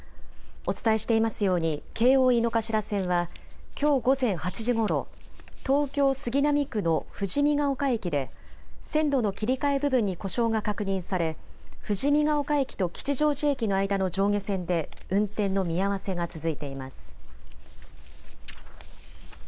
お伝えしていますように京王井の頭線はきょう午前８時ごろ東京杉並区の富士見ヶ丘駅で線路の切り替え部分に故障が確認され富士見ヶ丘駅と吉祥寺駅の間の上下線で運転の見合わせが続いています。